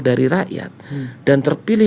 dari rakyat dan terpilih